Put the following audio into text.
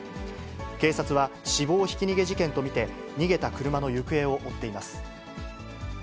警察は死亡ひき逃げ事件と見て、逃げた車の行方を追っています。